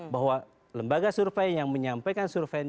bahwa lembaga survei yang menyampaikan survei